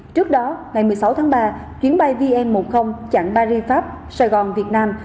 trước đó ngày một mươi sáu tháng ba chuyến bay vn một mươi chặng paris pháp sài gòn việt nam